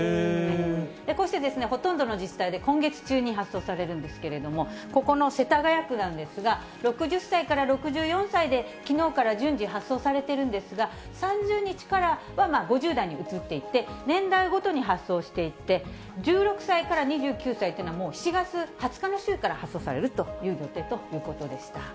こうしてほとんどの自治体で今月中に発送されるんですけれども、ここの世田谷区なんですが、６０歳から６４歳できのうから順次発送されているんですが、３０日からは５０代に移っていって、年代ごとに発送していって、１６歳から２９歳っていうのは、もう７月２０日の週から発送されるという予定ということでした。